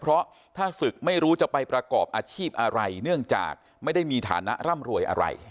เพราะถ้าศึกไม่รู้จะไปประกอบอาชีพอะไรเนื่องจากไม่ได้มีฐานะร่ำรวยอะไร